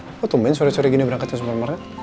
ngakut ngakin sore sore begini berangkat ke supermarket